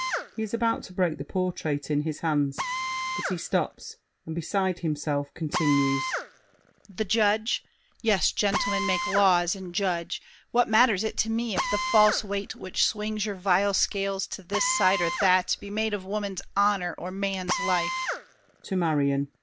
[He is about to break the portrait in his hands, but he stops, and beside himself, continues. The judge? Yes, gentlemen, make laws and judge! What matters it to me if the false weight Which swings your vile scales to this side or that Be made of woman's honor or man's life?